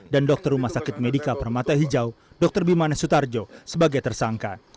dan dokter rumah sakit medika permata hijau dr bima nesli sebagai tersangka